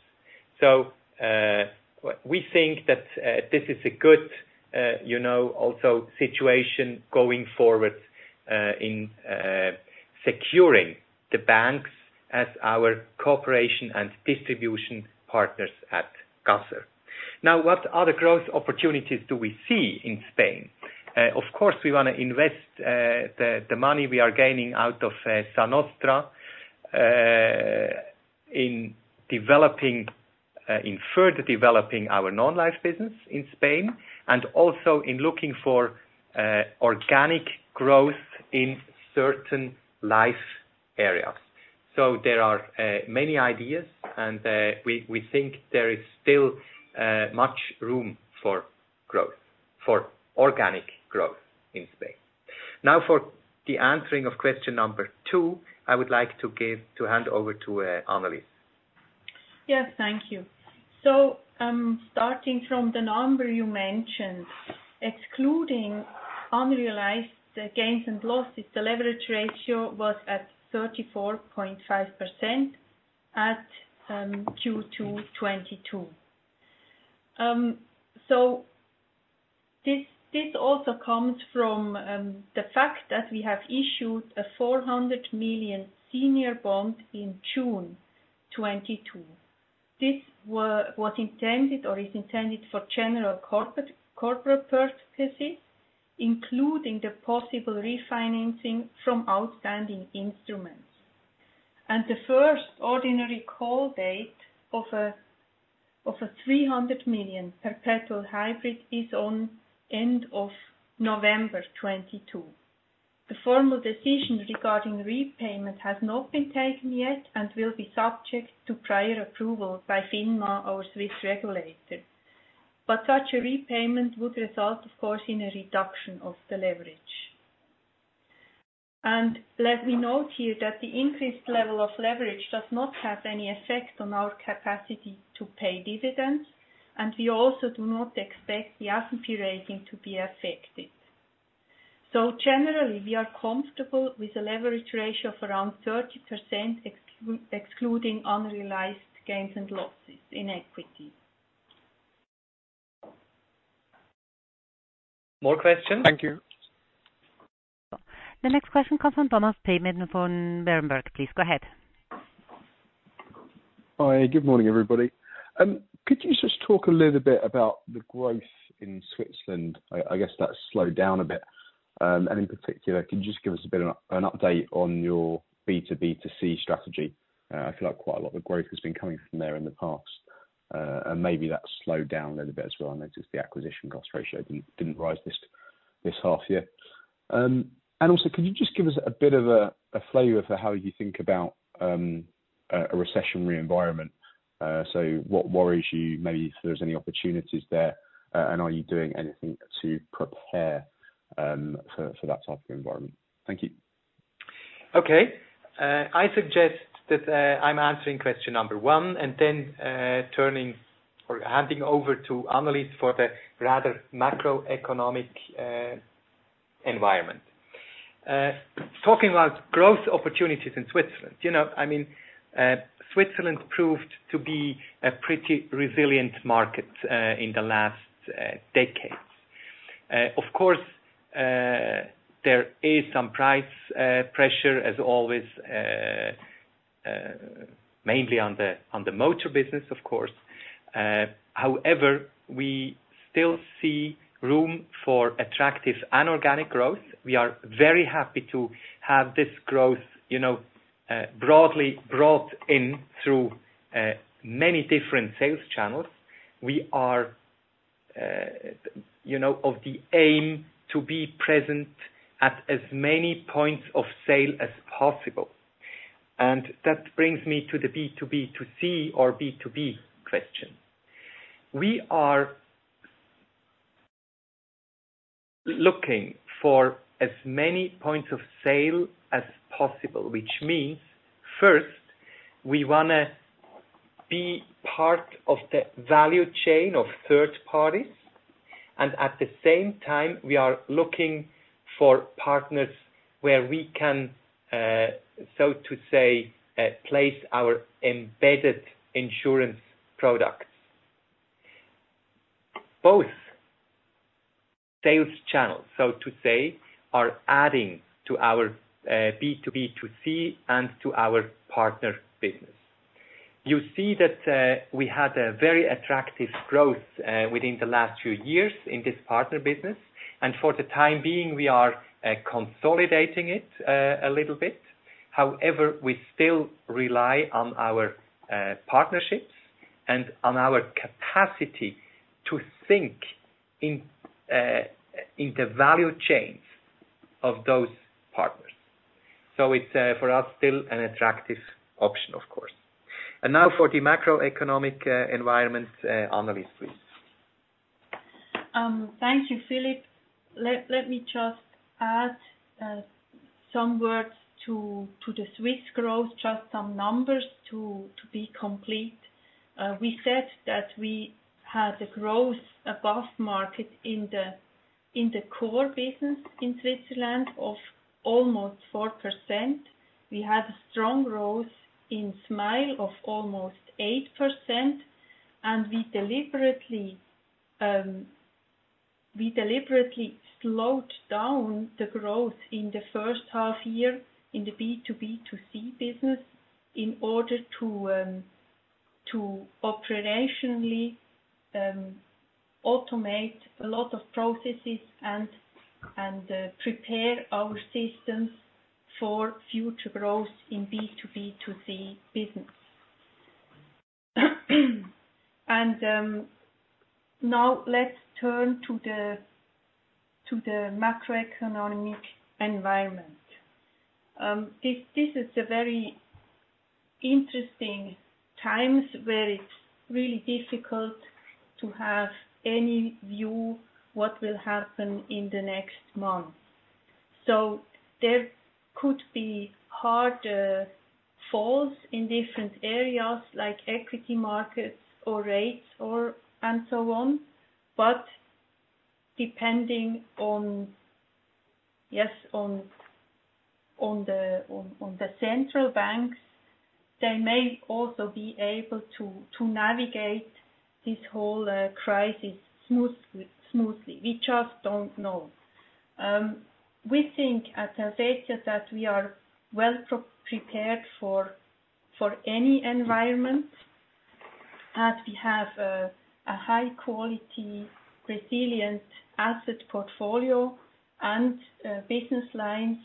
We think that this is a good, you know, also situation going forward in securing the banks as our cooperation and distribution partners at Caser. Now, what other growth opportunities do we see in Spain? Of course, we wanna invest the money we are gaining out of Sa Nostra in further developing our non-life business in Spain and also in looking for organic growth in certain life areas. There are many ideas and we think there is still much room for growth, for organic growth in Spain. Now, for the answering of question number two, I would like to hand over to Annelis. Yes. Thank you. Starting from the number you mentioned, excluding unrealized gains and losses, the leverage ratio was at 34.5% at Q2 2022. This also comes from the fact that we have issued a 400 million senior bond in June 2022. This was intended or is intended for general corporate purposes, including the possible refinancing from outstanding instruments. The first ordinary call date of a 300 million perpetual hybrid is on end of November 2022. The formal decision regarding repayment has not been taken yet and will be subject to prior approval by FINMA, our Swiss regulator. Such a repayment would result, of course, in a reduction of the leverage. Let me note here that the increased level of leverage does not have any effect on our capacity to pay dividends, and we also do not expect the S&P rating to be affected. Generally, we are comfortable with a leverage ratio of around 30%, excluding unrealized gains and losses in equity. More questions? Thank you. The next question comes from Thomas Bateman from Berenberg. Please go ahead. Hi. Good morning, everybody. Could you just talk a little bit about the growth in Switzerland? I guess that's slowed down a bit. In particular, can you just give us a bit of an update on your B2B2C strategy? I feel like quite a lot of the growth has been coming from there in the past. Maybe that's slowed down a little bit as well. I noticed the acquisition cost ratio didn't rise this half year. Also, can you just give us a bit of a flavor for how you think about a recessionary environment? What worries you, maybe if there's any opportunities there, and are you doing anything to prepare for that type of environment? Thank you. Okay. I suggest that I'm answering question number one and then handing over to Anneliese for the rather macroeconomic environment, talking about growth opportunities in Switzerland. You know, I mean, Switzerland proved to be a pretty resilient market in the last decades. Of course, there is some price pressure as always, mainly on the motor business, of course. However, we still see room for attractive inorganic growth. We are very happy to have this growth, you know, broadly brought in through many different sales channels. We are, you know, with the aim to be present at as many points of sale as possible. That brings me to the B2B2C or B2B question. We are looking for as many points of sale as possible, which means first, we wanna be part of the value chain of third parties. At the same time, we are looking for partners where we can, so to say, place our embedded insurance products. Both sales channels, so to say, are adding to our, B2B2C and to our partner business. You see that, we had a very attractive growth, within the last few years in this partner business. For the time being, we are, consolidating it a little bit. However, we still rely on our, partnerships and on our capacity to think in the value chains of those partners. It's, for us, still an attractive option, of course. Now for the macroeconomic, environment, Annelis, please. Thank you, Philipp. Let me just add some words to the Swiss growth, just some numbers to be complete. We said that we had a growth above market in the core business in Switzerland of almost 4%. We had a strong growth in Smile of almost 8%, and we deliberately slowed down the growth in the first half year in the B2B2C business in order to operationally automate a lot of processes and prepare our systems for future growth in B2B2C business. Now let's turn to the macroeconomic environment. This is a very interesting time where it's really difficult to have any view what will happen in the next month. There could be harder falls in different areas like equity markets or rates or, and so on. Depending on the central banks, they may also be able to navigate this whole crisis smoothly. We just don't know. We think at Helvetia that we are well prepared for any environment as we have a high quality, resilient asset portfolio and business lines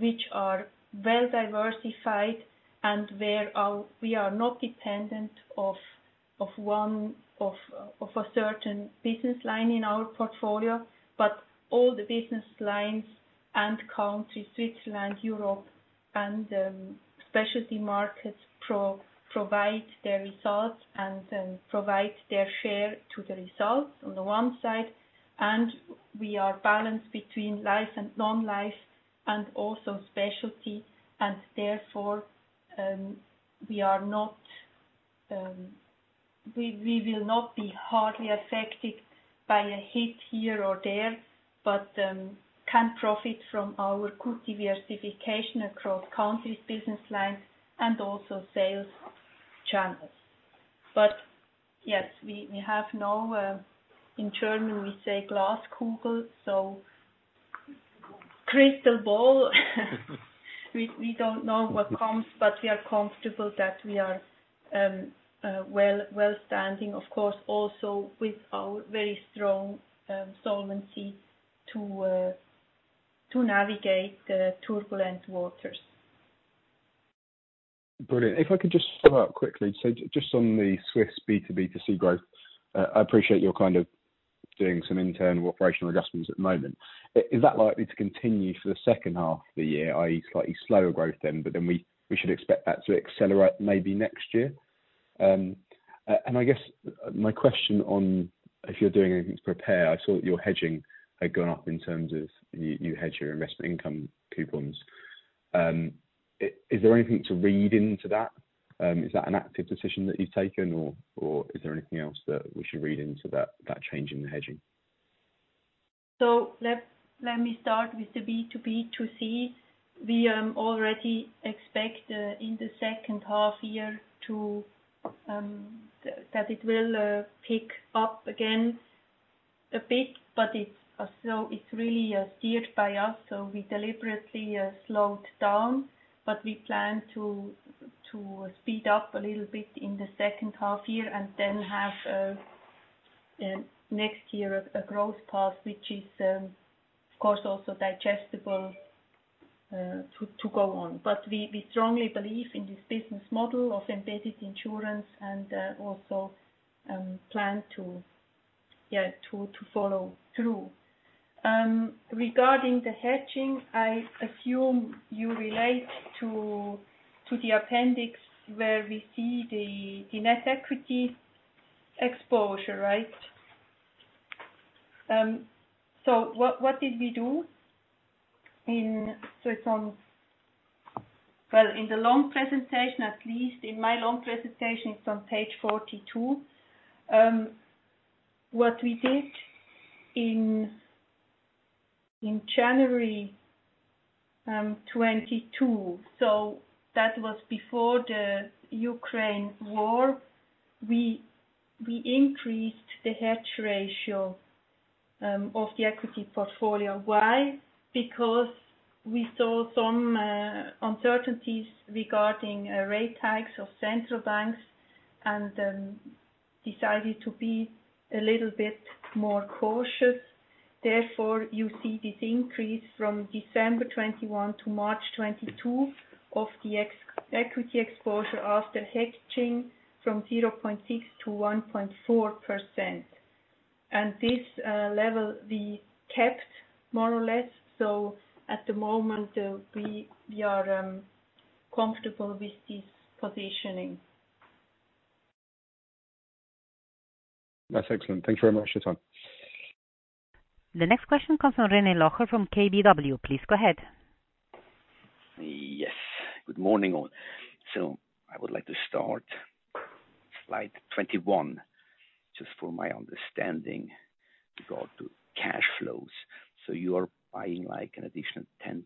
which are well diversified and we are not dependent on one certain business line in our portfolio, but all the business lines and countries, Switzerland, Europe, and specialty markets provide their results and provide their share to the results on the one side. We are balanced between life and non-life and also specialty. Therefore, we will not be hardly affected by a hit here or there, but can profit from our good diversification across countries, business lines, and also sales channels. Yes, we have no, in German, we say Glaskugel. So crystal ball. We don't know what comes, but we are comfortable that we are well standing, of course, also with our very strong solvency to navigate turbulent waters. Brilliant. If I could just follow up quickly. Just on the Swiss B2B2C growth, I appreciate you're kind of doing some internal operational adjustments at the moment. Is that likely to continue for the second half of the year, i.e. slightly slower growth then, but then we should expect that to accelerate maybe next year? I guess my question on if you're doing anything to prepare, I saw your hedging had gone up in terms of you hedge your investment income coupons. Is there anything to read into that? Is that an active decision that you've taken, or is there anything else that we should read into that change in the hedging? Let me start with the B2B2C. We already expect in the second half year that it will pick up again a bit, but it's really steered by us, so we deliberately slowed down. We plan to speed up a little bit in the second half year and then have next year a growth path, which is of course also digestible to go on. We strongly believe in this business model of embedded insurance and also plan to follow through. Regarding the hedging, I assume you relate to the appendix where we see the net equity exposure, right? Well, in the long presentation, at least in my long presentation, it's on page 42. What we did in January 2022, that was before the Ukraine war, we increased the hedge ratio of the equity portfolio. Why? Because we saw some uncertainties regarding rate hikes of central banks and decided to be a little bit more cautious. Therefore, you see this increase from December 2021 to March 2022 of the ex-equity exposure after hedging from 0.6% to 1.4%. This level we kept more or less. At the moment, we are comfortable with this positioning. That's excellent. Thank you very much for your time. The next question comes from René Locher from KBW. Please go ahead. Yes. Good morning, all. I would like to start slide 21, just for my understanding regarding to cash flows. You are buying, like, an additional 10%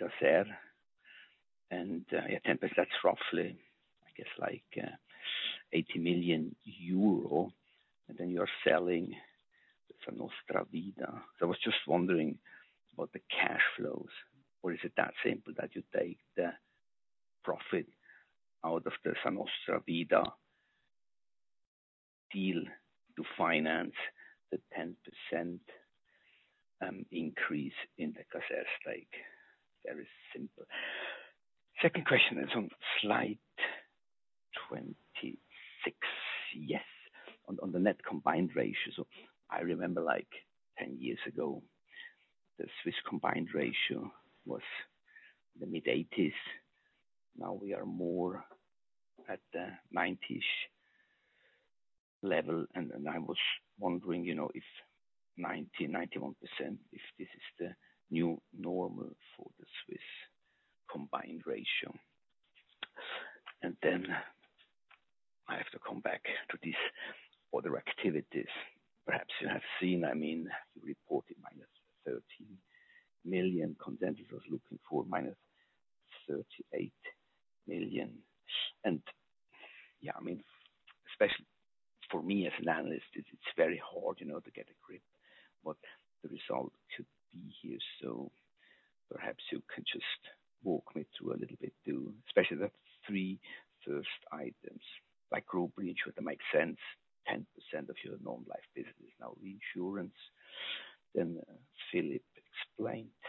Caser, and 10%, that's roughly 80 million euro. Then you're selling Sa Nostra Vida. I was just wondering about the cash flows, or is it that simple that you take the profit out of the Sa Nostra Vida deal to finance the 10% increase in the Caser stake? Very simple. Second question is on slide 26. Yes. On the net combined ratio. I remember, like, 10 years ago, the Swiss combined ratio was the mid-80s. Now we are more at the 90s level. I was wondering, you know, if 90-91%, if this is the new normal for the Swiss combined ratio. I have to come back to these other activities. Perhaps you have seen, I mean, you reported -13 million consensus. I was looking for -38 million. Yeah, I mean, especially for me as an analyst, it's very hard, you know, to get a grip what the result could be here. Perhaps you could just walk me through a little bit, too, especially the three first items, like group reinsurance, would that make sense, 10% of your non-life business is now reinsurance. Philipp explained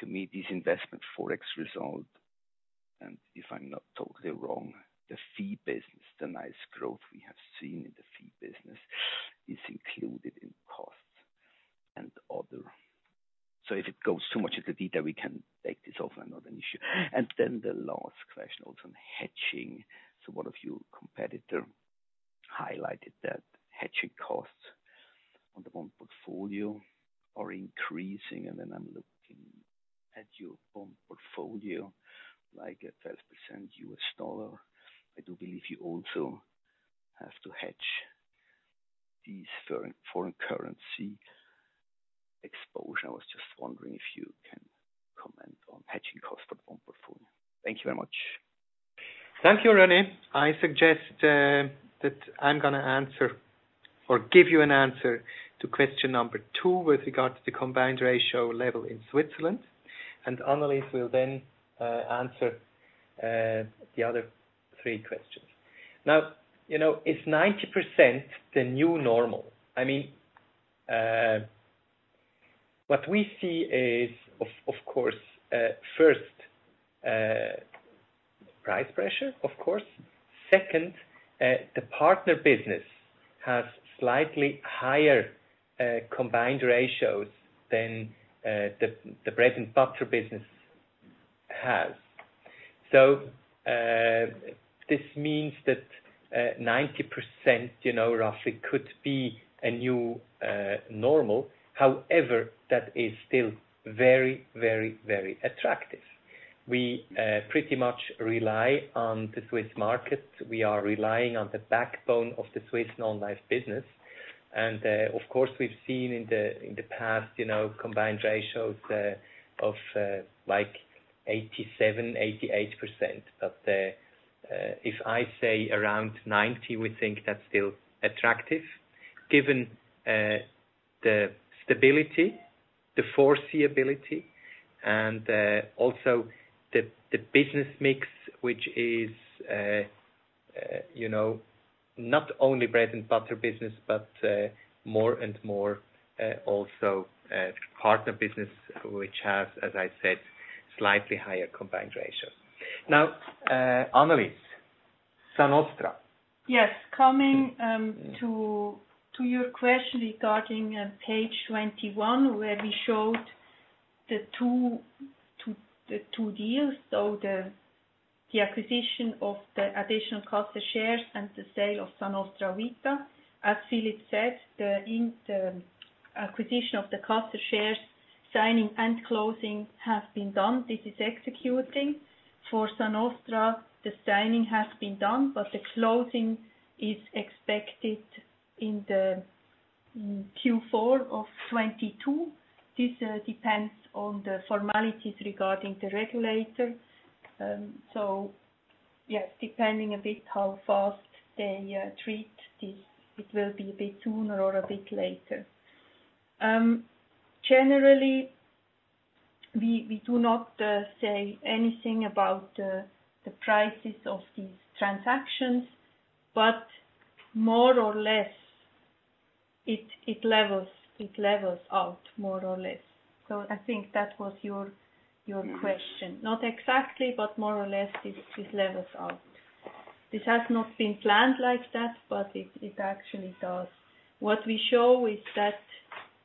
to me this investment FX result, and if I'm not totally wrong, the fee business, the nice growth we have seen in the fee business is included in costs and other. If it goes too much into detail, we can take this off. Not an issue. The last question, also on hedging. One of your competitor highlighted that hedging costs on the bond portfolio are increasing. I'm looking at your bond portfolio, like at 12% US dollar. I do believe you also have to hedge these foreign currency exposure. I was just wondering if you can comment on hedging costs for the bond portfolio. Thank you very much. Thank you, René. I suggest that I'm gonna answer or give you an answer to question number two with regards to the combined ratio level in Switzerland. Annelis will then answer the other three questions. Now, you know, is 90% the new normal? I mean, what we see is of course first price pressure, of course. Second, the partner business has slightly higher combined ratios than the bread and butter business. This means that 90%, you know, roughly could be a new normal. However, that is still very attractive. We pretty much rely on the Swiss market. We are relying on the backbone of the Swiss non-life business. Of course, we've seen in the past, you know, combined ratios of like 87%, 88%. If I say around 90%, we think that's still attractive given the stability, the foreseeability, and also the business mix, which is, you know, not only bread and butter business, but more and more also harder business, which has, as I said, slightly higher combined ratio. Now, Annelis, Sa Nostra. Yes. Coming to your question regarding page 21, where we showed the two deals. The acquisition of the additional Caser shares and the sale of Sa Nostra Vida. As Philipp said, the acquisition of the Caser shares, signing and closing have been done. This is executed. For Sa Nostra, the signing has been done, but the closing is expected in the Q4 of 2022. This depends on the formalities regarding the regulator. Yes, depending a bit how fast they treat this, it will be a bit sooner or a bit later. Generally, we do not say anything about the prices of these transactions, but more or less, it levels out. More or less. I think that was your question. Not exactly, but more or less it levels out. This has not been planned like that, but it actually does. What we show is that,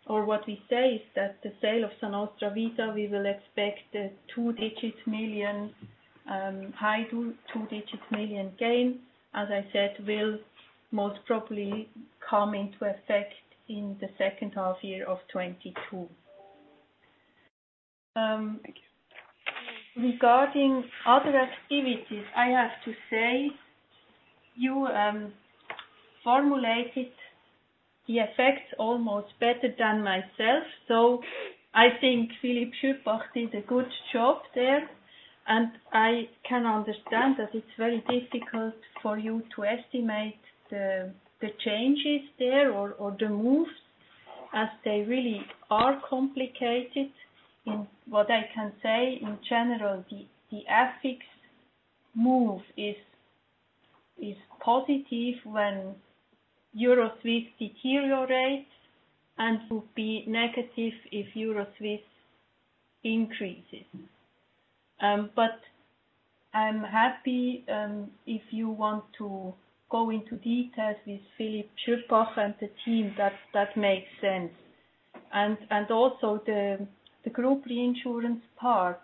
or what we say is that the sale of Sa Nostra Vida, we will expect a high two-digit million CHF gain. As I said, will most probably come into effect in the second half year of 2022. Regarding other activities, I have to say you formulated the effects almost better than myself. I think Philipp Schüpbach did a good job there, and I can understand that it is very difficult for you to estimate the changes there or the moves, as they really are complicated. What I can say in general, the FX move is positive when Euro Swiss deteriorates and would be negative if Euro Swiss increases. I'm happy if you want to go into details with Philipp Schüpbach and the team, that makes sense. The group reinsurance part,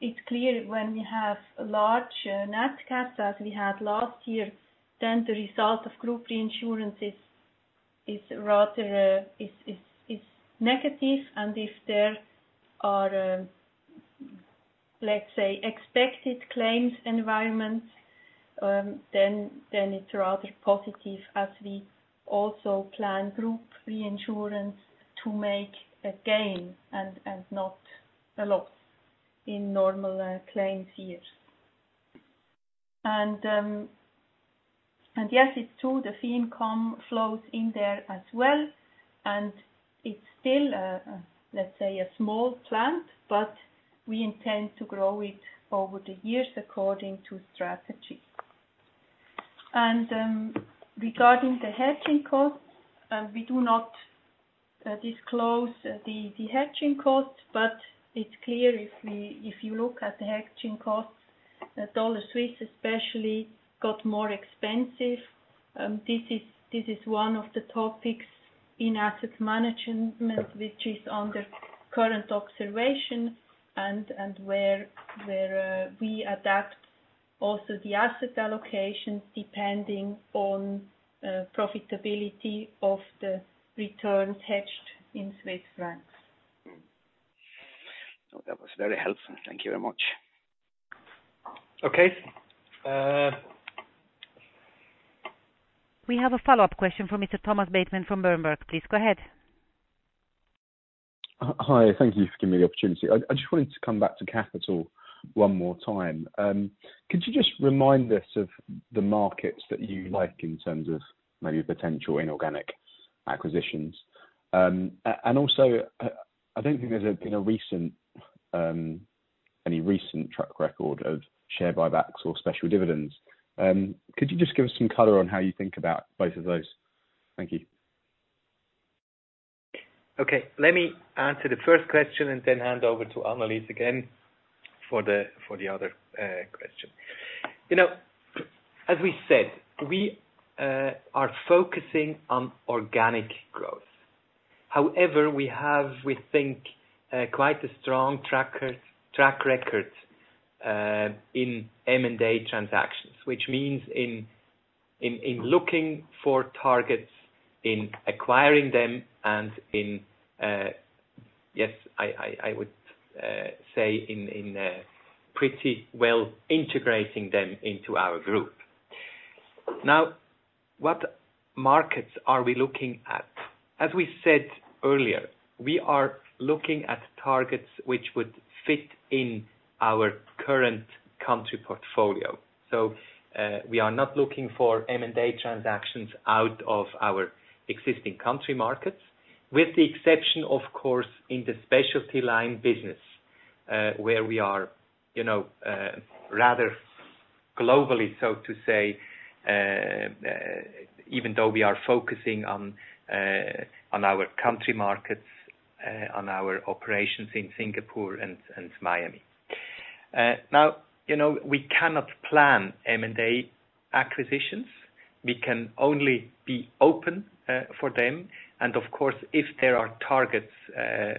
it's clear when we have a large Nat Cat as we had last year, then the result of group reinsurance is rather negative. If there are, let's say, expected claims environment, then it's rather positive as we also plan group reinsurance to make a gain and not a loss in normal claims years. Yes, it's true, the fee income flows in there as well, and it's still a small part, but we intend to grow it over the years according to strategy. Regarding the hedging costs, we do not disclose the hedging costs. It's clear if you look at the hedging costs, Dollar-Swiss especially got more expensive. This is one of the topics in asset management, which is under current observation and where we adapt also the asset allocation depending on profitability of the returns hedged in Swiss francs. Mm-hmm. That was very helpful. Thank you very much. Okay. We have a follow-up question from Mr. Thomas Bateman from Berenberg. Please go ahead. Hi. Thank you for giving me the opportunity. I just wanted to come back to capital one more time. Could you just remind us of the markets that you like in terms of maybe potential inorganic acquisitions? And also, I don't think there's been any recent track record of share buybacks or special dividends. Could you just give us some color on how you think about both of those? Thank you. Okay. Let me answer the first question and then hand over to Annelis again for the other question. You know, as we said, we are focusing on organic growth. However, we have, we think, quite a strong track record in M&A transactions. Which means in looking for targets, in acquiring them and in yes, I would say in pretty well integrating them into our group. Now, what markets are we looking at? As we said earlier, we are looking at targets which would fit in our current country portfolio. We are not looking for M&A transactions out of our existing country markets. With the exception, of course, in the specialty line business, where we are, you know, rather globally, so to say, even though we are focusing on our country markets, on our operations in Singapore and Miami. Now, you know, we cannot plan M&A acquisitions. We can only be open for them. Of course, if there are targets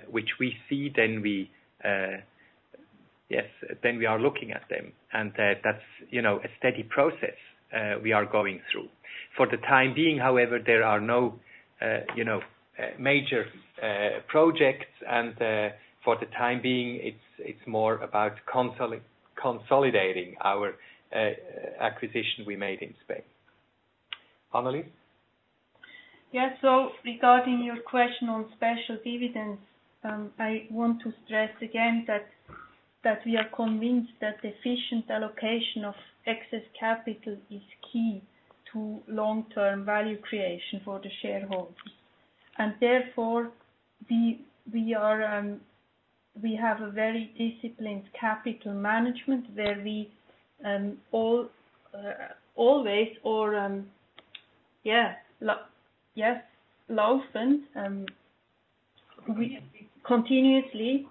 which we see, then we yes then we are looking at them. That's, you know, a steady process we are going through. For the time being, however, there are no major projects. For the time being, it's more about consolidating our acquisition we made in Spain. Annelis? Yeah. Regarding your question on special dividends, I want to stress again that we are convinced that efficient allocation of excess capital is key to long-term value creation for the shareholders. Therefore, we have a very disciplined capital management where we always or yeah. Laufende We continuously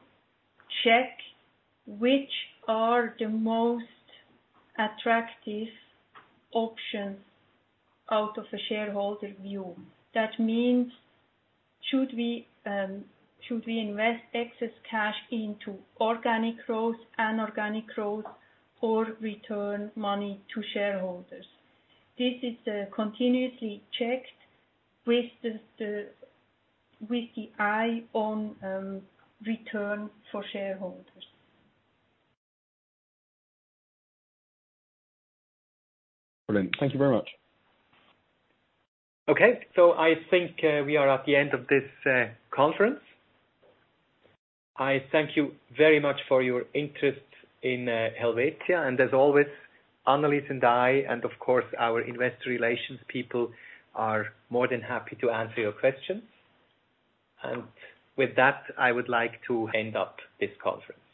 check which are the most attractive options out of the shareholder view. That means should we invest excess cash into organic growth or return money to shareholders? This is continuously checked with the eye on return for shareholders. Brilliant. Thank you very much. Okay. I think we are at the end of this conference. I thank you very much for your interest in Helvetia. As always, Annelis and I, and of course our investor relations people are more than happy to answer your questions. With that, I would like to wrap up this conference.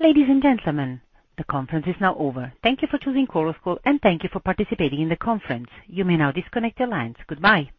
Ladies and gentlemen, the conference is now over. Thank you for choosing Chorus Call, and thank you for participating in the conference. You may now disconnect the line. Goodbye.